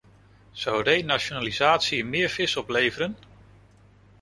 Zou renationalisatie meer vis opleveren?